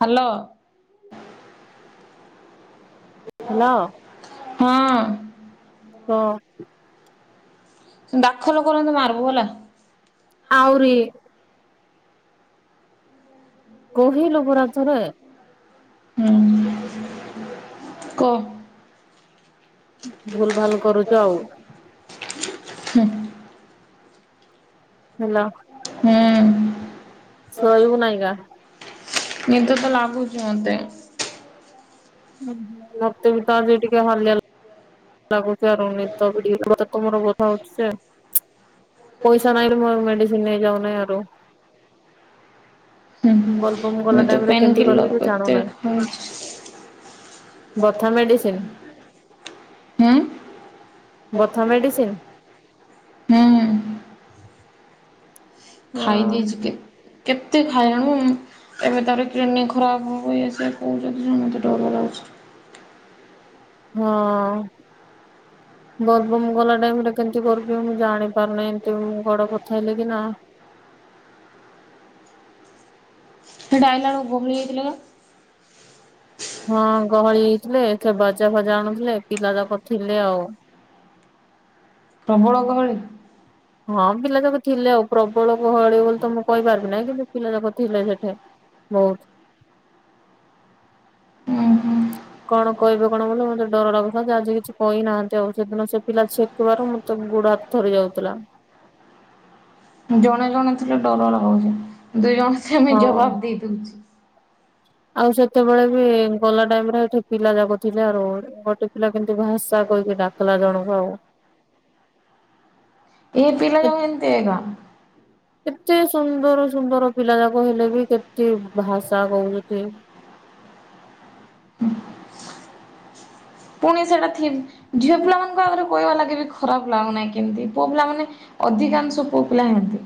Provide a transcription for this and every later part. Hello. Hello. ହଁ। ହଁ। ଦାଖଲ କରନ୍ତୁ ମାରିବୁ ହେଲା। ଆଉରିି। କହିଲ ପରା ଥରେ। ହୁଁ। କ। ଭୁଲ ଭାଲ କରୁଚ ଆଉ। ହୁଁ ହ୍ୟାଲୋ। ହୁଁ ଶୋଇବୁ ନାଇଁ କା। ନିଦ ତ ଲାଗୁଛି ମତେ। ହୁଁ ମତେ ବି ତ ଆଜି ଟିକେ ହାଲିଆ ଲାଗୁଛି ଆରୁ ନି ତ ତମର [inaudible] ହଉଛି। ପଇସା ନାଇଁଲୋ ମୋର ମେଡିସିନ ନେଇଯାଉନାହିଁ ଆରୁ [inaudible] ବଲବ ମୁଁ ତ ପେନ କିଲର କେତେ ଖାଉ ବଥା ମେଡିସିନ। ହୁଁ। ବଥା ମେଡିସିନ। ହୁଁ। ଖାଇ ଦେଇଛି କେ କେତେ ଖାଇଲାଣୁ। ଏବେ ତାର କିଡନୀ ଖରାପ ହବ ଆସ କହୁଛନ୍ତି ସେତେ ଡର ଲାଗୁଛି। ହଁ। ହୁଁ ବଦବମ ଗଲା ଟାଇମରେ କେମିତି କରିବି ମୁଁ ଜାଣି ପାରୁନହିଁ ଏମିତି ଗଡ କଥା ହେଲେ କି ନା? ସେ ଡାଇଲ ଭୁଲି ଯାଇଥିଲେ ନା? ହଁ ଗହଳି ହେଇଥିଲେ ସେ ବାଜା ଫାଜା ଆଣୁଥିଲେ ପିଲାତକ ଥିଲେ ଆଉ ପ୍ରବଳ ଗହଳି। ହଁ ପିଲା ଯାକ ଥିଲେ ଆଉ ପ୍ରବଳ ଗହଳି ବୋଲି ତ ମୁଁ କହିପାରିବି ନାହିଁ କିନ୍ତୁ ପିଲା ଯାକ ଥିଲେ ସେଠି। ହଉ। ହୁଁ ହୁଁ କଣ କହିବେ କଣ ବୋଲି ମତେ ଡର ଲାଗିଥାନ୍ତେ ଆଜି କିଛି କହିନାହାନ୍ତି ଆଉ ସେଦିନ ସେ ପିଲା ଛି ଦେବାରୁ ମୁଁ ତେ ଗୁଡହାତ ଥରି ଯାଉଥିଲା। ଜଣେ ଜଣେ ଥିଲେ ଡର ଲାଗୁଛି ଦୁଇ ଜଣ ସେ ଆମେ ହଁ। ଜବାବ ଦେଇଦଉଛି। ଆଉ ସେତେବେଳେ ବି ଗଲା ଟାଇମରେ ଏଠି ପିଲା ଯାଗ ଥିଲେ ଆ ଗୋଟେ ପିଲା କିନ୍ତୁ ଭାସା କହିକି ଡାକିଲା ଜଣଙ୍କୁ ଆଉ ଏ ପିଲା ଯୋଉ ଏନତି ହେଲା। କେତେ ସୁନ୍ଦର ସୁନ୍ଦର ପିଲା ଯାକ ହେଲେ ବି କେତେ ଭାଷା କହୁଛନ୍ତି? ପୁଣି ସେଇଟା ଥିବ ଝିଅ ପିଲାମାନଙ୍କ ଆଗରେ କହିବା ଲାଗେ ବି ଖରାପ ଲାଗୁନାହିଁ କେମିତି ପୁଅ ପିଲାମାନେ ଅଧିକାଂଶ ପୁଅ ପିଲା ହିନ୍ତି।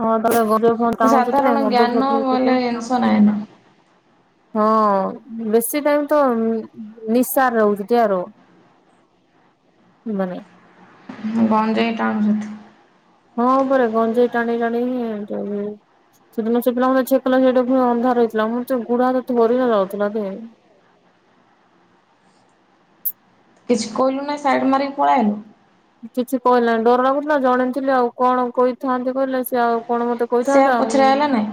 ହଁ [inaudible] ସାଧାରଣ ଜ୍ଞାନ ବୋଇଲେ ଜିନିଷ ନାହିଁ ନା ହଁ ବେଶୀ ଟାଇମ ତ ନିସା ରହୁଛି ଆରୁ ହୁଁ ମାନେ ଗଞ୍ଜେଇ ଟାଣୁଛନ୍ତି? ହଁ ଉପରେ ଗଞ୍ଜେଇ ଟାଣି ଟାଣି ହି ଏମିତି ହଉଛନ୍ତି। ସେଦିନ ସେଇ ପିଲା ମୋ ଛେକଲା ସେଇଟା ପ ଅନ୍ଧାର ରହିଥିଲା ମତେ ଗୁଡା ତ ଥରି ଯାଉଥିଲା ଦେହ। କିଛି କହିଲୁ ନାହିଁ ସାଇଡ଼୍ ମାରିକି ପଳାଇଆଇଲୁ। କିଛି କହିଲାନି ଡର ଲାଗୁଥିଲା ଜଣେ ଥିଲି, ଆଉ କଣ କହିଥାନ୍ତି କହିଲେ ସେ ଆଉ କଣ ମତେ ସେୟାର କହିଥାନ୍ତା, ପଛରେ ଆଇଲା ନାଇଁ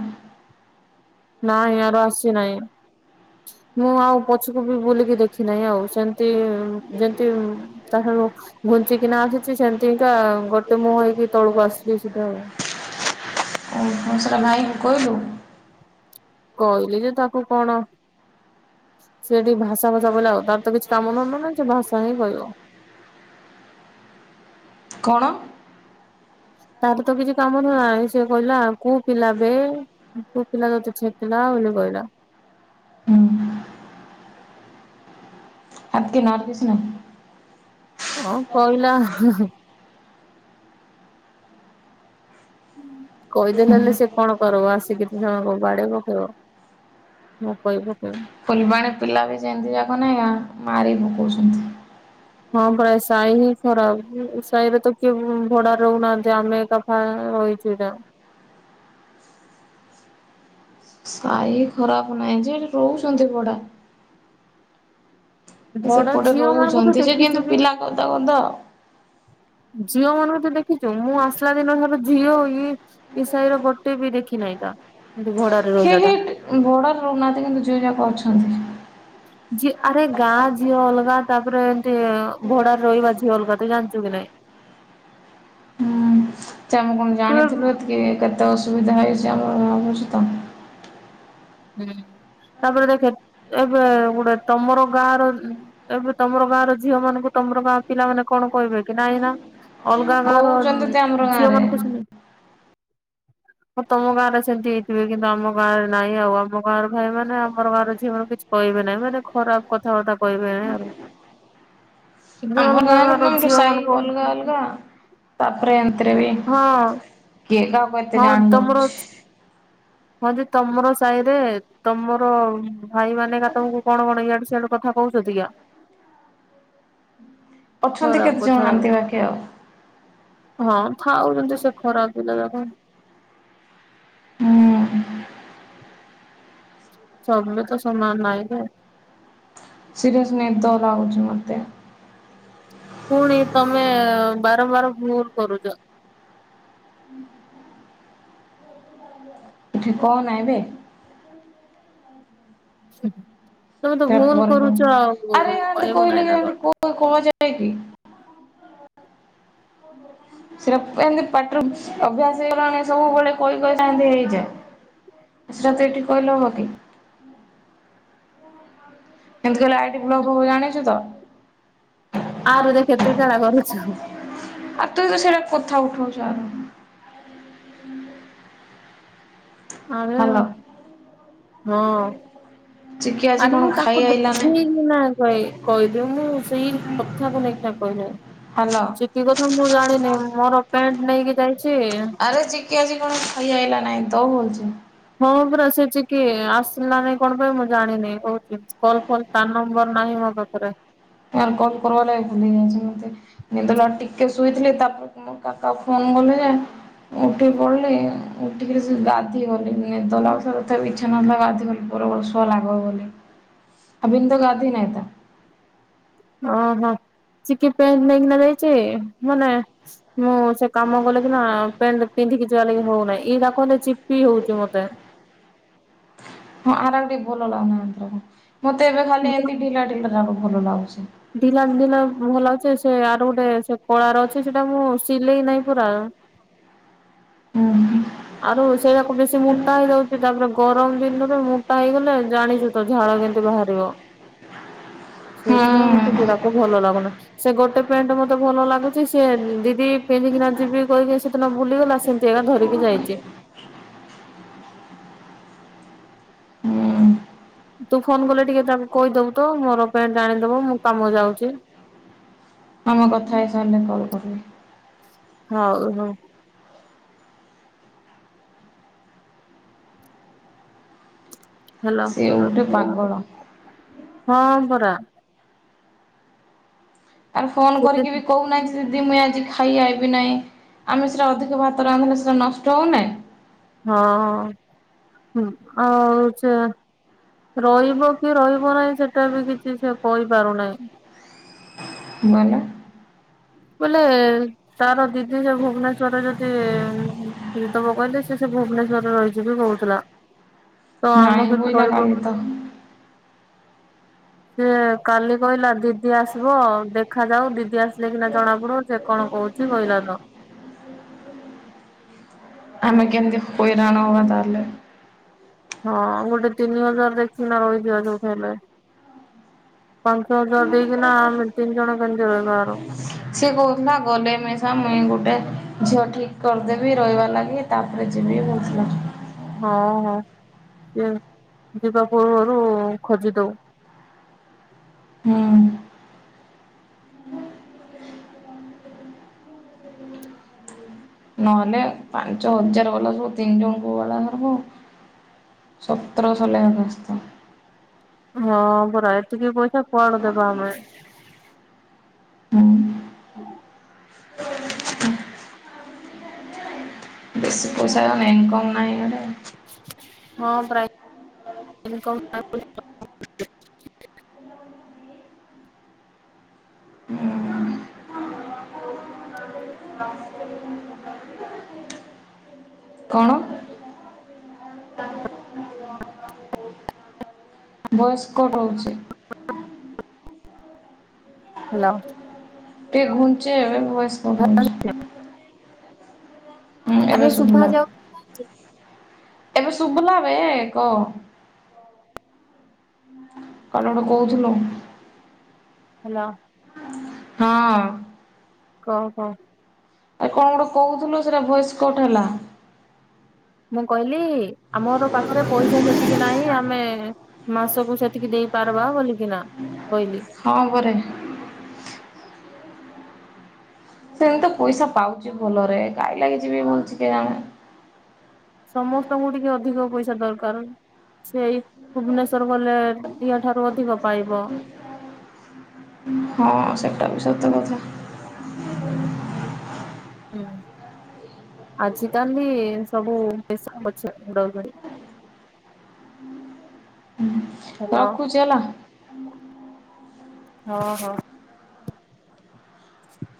ନାଇଁ ଆର ଆସି ନାଇଁ। ମୁଁ ଆଉ ପଛକୁ ବି ବୁଲିକି ଦେଖି ନାହିଁ ଆଉ ସେମିତି ଯେମତି ତା ଠାରୁ ଘୁଞ୍ଚିକିନା ଆସିୁଛି ସେମିତିକା ଗୋଟେ ମୁହଁ ହେଇକି ତଳକୁ ଆସିଲି ସେଟା ଆଉ। ମଁ ସେଇଟା ଭାଇଙ୍କୁ କହିଲୁ? କହିଲି ଯେ ତାକୁ କଣ? ସେଠି ଭାଷା ଭାଷା ଵଲା ଆଉ ତାର କିଛି କାମ ଧନ୍ଦା ନାହିଁ, ସେ ଭାଷା ହିଁ କହିବ। କଣ? ତାର ତ କିଛି କାମ ଧନ୍ଦା ନାହିଁ, ସେ କହିଲା କୋଉ ପିଲାବେ? ପୁଅ ପିଲା ଗୋଟେ ଛେକିଲା ବୋଲି ବଇଲା। ହୁଁ ଆଣ୍ଟିନା ଡିଷ୍ଟ ଟିଭି ନାହିଁ। ହଁ କହିଲା। ହାଁ ହାଁ କହିଦେ ନହେଲେ ସେ କଣ କରବ ଆସିକି ଦି ଜଣଙ୍କୁ ବାଡେଇ ପକେଇବ। ମୁଁ କହି ପକେଇବି। ଫୁଲବାଣୀ ପିଲା ବି ଯେମିତି ଯାକ ନା ମାରି ପକଉଛନ୍ତି। ହଁ ପରା ସାହି ହିଁ ଖରାପ। ଏ ସାହିରେ ତ କିଏ ଭଡା ରହୁନାହାନ୍ତି ଆମେ ଏକା ହଁ ରହିଛୁ ଯା। ସାହି ଖରାପ ନାହିଁ ଯେ। ହେଲେ ରହୁଛନ୍ତି ଭଢା ଭଡା ସେପଟେ ଝିଅ ମାନଙ୍କୁ ତୁ ରହୁଛନ୍ତି ଯେ ଦେଖିଛୁ କିନ୍ତୁ କି? ପିଲା ଗଦା ଗଦା ଆଉ। ଝିଅ ମାନଙ୍କୁ ତୁ ଦେଖିଛୁ ମୁଁ ଆସିଲା ଦିନ ଠାରୁ ଝିଅ ଇଏ ଏ ସାହିର ଗୋଟେ ବି ଦେଖି ନାହିଁ ତ ଏଇଠି ଭଡାରେ ରହିଲା କେହି ଟା ଭଡାରେ ରହୁନାହାନ୍ତି କିନ୍ତୁ ଝିଅ ଯାକ ଅଛନ୍ତି। ଝି ଆରେ ଗାଁ ଝିଅ ଅଲଗା ତାପରେ ଏମିତି ଭଡାରେ ରହିବା ଝିଅ ଅଲଗା ତୁ ଜାଣିଛୁ କି ନାଇଁ। ହୁଁ ତ ଆମେ କଣ ଜାଣିଥିଲୁ କି ଏତିକି କେତେ ଅସୁବିଧା ହେଇଛି ଆମର ଭାବୁଛୁ ତ। ହୁଁ ତାପରେ ଦେଖେ ଏବେ ଗୋଟେ ତମର ଗାଁ ର ତା ପରେ ତମର ଗାଁର ଝିଅ ମାନଙ୍କୁ ତମର ଗାଁ ପିଲାମାନେ କଣ କହିବେକି ନାଇଁ ନା। ଅଲଗା ଗାଁ ର କହୁଛନ୍ତି ତ ଆମର ଝିଅ ଗାଁରେ ମାନଙ୍କୁ ସିନ ହଁ ତମ ଗାଁରେ ସେମିତି ହେଇଥିବେ କିନ୍ତୁ ଆମ ଗାଁରେ ନାହିଁ ଆଉ ଆମ ଗାଁର ଭାଇ ମାନେ ଆମର ଗାଁର ଝିଅ ମାନେ କିଛି କହିବେ ନାହିଁ। ଏମାନେ ଖରାପ କଥାବାର୍ତ୍ତା କହିବେ ଏଇଆ ଆଉ। ଆମର ଅଲଗା ଗାଁ ର ଗାଁର କିନ୍ତୁ ଝିଅ ସାଇ ମାନଙ୍କୁ ଅଲଗା ଅଲଗା। ତାପରେ ଏମତିରେ ବି ହଁ କିଏ କାହାକୁ ଏତେ ହଁ ଜାଣି ତମର ହୋଉଛି। ହଁ ଯେ ତମର ସାହି ରେ ତମର ଭାଇ ମାନେ କା ତମକୁ କଣ କଣ ଇଆଡେ ସିଆଡେ କଥା କହୁଛନ୍ତି କା ଅଛନ୍ତି ଖରାପ କେତେ କଥା ଜଣ ଏମିତି ବାକି ଆଉ। ହଁ ଥାଉଛନ୍ତି ସେ ଖରାପ ପିଲା ଯାକ। ହୁଁ। ସମେତ ସମାନ ନହିଁ ତ। ସିରିଏସ ନିଦ ଲାଗୁଛି ମତେ। ପୁଣି ତମେ ବାରମ୍ବାର ଭୁଲ କରୁଚ। ଏଠି କଣ ନାଇଁ ବେ। ତମେ ତ ସେଟା ଭୁଲ ପରେ କର କରୁଛ ଆଉ କହିବୁ ନାହିଁ ନା କଣ? କ ଯାଏ କି? ସେଟା ଏମିତି ପାଟିରୁ ଅଭ୍ୟାସ ହେଇଗଲାଣି ସବୁବେଳେ କହି କହିକା ଏମତି ହେଇଯାଏ। ସେଟା ତ ଏଠି କହିଲେ ହବ କି। ଏମିତି କହିଲେ ଆଇଡି ବ୍ଲକ ହବ ଜାଣିଛୁ ତ। ଆରୁ ଦେ କେତେ ଥର କରୁଛୁ। ଆଉ ତୁ ତ ସେଇଟା କଥା ଉଠଉଛ ଆଗ। ଆରେ ହାଲୋ। ହଁ ଚିକେ ଆରେ ମୁଁ ତାକୁ ଦେଖେଇି ନା କହିଦେଉ ମୁଁ ସେଇ କଥାକୁ ନେଇକି କହିଲି। ହ୍ୟାଲୋ ଚିକି କତିରୁ ମୁଁ ଜାଣିନି ମୋର ପେଣ୍ଟ ନେଇକି ଯାଇଛି। ଆରେ ଚିକି ଆଜି କଣ ଖାଇ ଆଇଲା ନାହିଁ ତ ହଉଚି। ହଁ ପୁରା ସେ ଚିକି ଆସିଲା ନାଇଁ କଣ ପାଇଁ ମୁଁ ଜାଣିନି କହୁଥିଲ କଲ୍ ଫଲ୍ ତା ନମ୍ବର ନାହିଁ ମୋ ପାଖରେ। ଆଉ କଲ୍ କରିବା ଲାଗି ଭୁଲିଯାଇଚି ମତେ। ନିଦ ଲାଗିଲା ଟିକେ ଶୋଇଥିଲି ତାପରେ କଣ କାକାକୁ ଫୋନ୍ କଲେ ଯେ ଉଠିକି ପଡିଲି। ଉଠିକିରି ସେ ଗାଧୋଇ ଗଲି। ନିଦ ଲାଗୁଥିଲା ତଥାପି ଇଚ୍ଛା ନଥିଲା ଗାଧୋଇ ଗଲି। [unintelligible] ଲାଗବ ବୋଲି। ଅଭିନ ତ ଗାଧେଇ ନାଇଁ ତା। ଓହୋ। [unintelligible] ନେଇକିନା ଯାଇଚି ମାନେ ମୁଁ ସେ କାମ କଲେ କି ନା ପେଣ୍ଟ ପିନ୍ଧିକି ଯିବା ଲାଗି ହଉନାଇ। ଇନା କହିଲେ ଚିପି ହଉଚୁ ମତେ। ହଁ। ଆର [unintelligible] ଟିକେ ଭଲ ଲାଗୁନାହିଁ। ମତେ ଏବେ ଖାଲି ଏମତି ଢିଲା ଢିଲା ରାକ ଭଲ ଲାଗୁଚି। ଢିଲା ଢିଲା ଭଲ ଲାଗୁଚେ ସେ ଆର ଗୋଟେ ସେ କଳାର ଅଛି ସେଟା ମୁଁ ସିଲେଇ ନାହିଁ ପୁରା। [unintelligible] ଆରୁ ସେଇରାକ ବେଶୀ ମୋଟା ହେଇଯାଉଚି। ତାପରେ ଗରମ ଦିନରେ ମୋଟା ହେଇଗଲେ ଜାଣିଚୁ ତ ଝାଳ କେମତି ବାହାରିବ। ହଁ ସେଇଥିପାଇଁ ମତେ ହେରାକ ଭଲ ଲାଗୁନି। ସେ ଗୋଟେ ପ୍ୟାଣ୍ଟ ମତେ ଭଲ ଲାଗୁଚି, ସେ ଦିଦି ପିନ୍ଧିକିନା ଯିବି କହିିକି ସେଦିନ ବୁଲିଗଲା ସେ ତି ରା ଧରିକି ଯାଇଚି। ହୁଁ। ତୁ ଫୋନ୍ କଲେ ଟିକେ ତାକୁ କହିଦବୁ ତ ମୋର ପେଣ୍ଟ ଆଣିଦବ ମୁଁ କାମ ଯାଉଚି। ହଁ ମୁଁ କଥା ହେଇସାରିଲେ କଲ୍ କରିବି। ହଉ ହଉ। ହ୍ୟାଲୋ ସିଏ ଗୋଟେ ପାଗଳ। ହଁ ପରା। ଆରେ ଫୋନ କରିକି ବି ସେଦିନ କହୁନାହିଁ ଯେ ଯଦି ମୁଇଁ ଆଜି ଖାଇ ଆଇବି ନାଇଁ, ଆମେ ସେରା ଅଧିକ ଭାତ ରାନ୍ଧିଲେ ସେରା ନଷ୍ଟ ହଉନାଇଁ। ହଁ। ଆଉ ଚେ ରହିବ କି ରହିବ ନାଇଁ ସେଟା ବି କିଛି ସେ କହିପାରୁନାଇଁ। [unintelligible] ବୋଲେ ତାର ଦିଦି ସେ ଭୁବନେଶ୍ଵରେ ଯଦି [unintelligible] କହିଲେ ସେ ସେ ଭୁବନେଶ୍ଵରରେ ରହିଯିବି କହୁଥିଲା। ତ ଆମ ନାଇଁ ସହିତ ବୁଇଲା ରହିବ କାଲି ତ। ସେ କାଲି କହିଲା ଦିଦି ଆସିବ ଦେଖାଯାଉ ଦିଦି ଆସିଲେ କିନା ଜଣା ପଡିବ ସେ କଣ କହୁ ସେ କହିଲା ତ। ଆମେ କେମିତି ହଇରାଣ ହବା ତାହେଲେ। ହଁ ଗୋଟେ ତିନି ହଜାର ଦେଖିକିନା ରହିଯିବା ଯୋଉଠି ହେଲେ। ପାଞ୍ଚ ହଜାର ଦେଇକିନା ଆମେ ତିନି ଜଣ କେମିତି ରହିବାର। ସିଏ କହୁଥିଲା ଗଲେ ମିଷା ମୁଇଁ ଗୋଟେ ଝିଅ ଠିକ୍ କରିଦେବି ରହିବାର ଲାଗି। ତାପରେ ଯିବି କହୁଥିଲା। ହଁ ହଁ। ଯିବା ପୂର୍ବରୁ ଖୋଜି ଦଉ। ହୁଁ। ନହେଲେ ପାଞ୍ଚ ହଜାର ଗଲା ସବୁ ତିନି ଜଣଙ୍କୁ [unintelligible] [unintelligible] ହଁ ପରା ଏତିକି ପଇସା କୁଆଡେ ଦେବା ଆମେ। [unintelligible] ହଁ ବେଶୀ ପଇସା [unintelligible] ଇନକମ୍ ନାହିଁ ବୋଧେ। ହଁ ପ୍ରାଇ ଇନକମ୍ [inaudible] ହୁଁ କଣ? ବଏସ୍ କଟ୍ ହଉଛି। ହ୍ୟାଲୋ। ଟକେ ଘୁଞ୍ଚେଇ ଆଣ ବଏସ୍ କଟ୍ ହଉଛି। ହଁ ଆରେ ଏବେ ଶୁଭା ଶୁଭିଲା। ଯାଉ ଏବେ ଶୁବିଲା ରେ କଅ। କଣ ଗୋଟେ କହୁଥିଲ? ହେଲୋ। ହଁ। କହ କହ। ଆ, କଣ ଗୋଟେ କହୁଥିଲୁ ସେଟା ଭଏସ୍ କଟ୍ ହେଲା। ମୁଁ କହିଲି ଆମର ପାଖରେ ପଇସା ସେତିକି ନାହିଁ ଆମେ ମାସକୁ ସେତିକି ଦେଇପାରବା ବୋଲିକି ନା କହିଲି। ହଁ ବରେ ସେ ତ ପଇସା ପାଉଚି ଭଲରେ କାଇ ଲାଗି ଯିବି ବୋଲଛିି କେଜାଣେ। ସମସ୍ତଙ୍କୁ ଟିକେ ଅଧିକ ପଇସା ଦରକାର। ସେଇ ଭୁବନେଶ୍ଵର ଗଲେ ୟା ଠାରୁ ଅଧିକ ପାଇବ। ହଁ ସେଟା ବି ସତ କଥା। ଅହଁ ଆଜି ତାହେଲେ ସବୁ [unintelligible] ହୁଁ। ହେଲୋ, ହଁ, ହଁ। ଆଛ